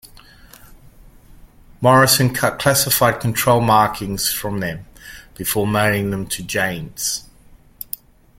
Morison cut classified control markings from them before mailing them to "Jane's".